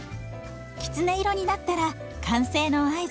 きつね色になったら完成の合図。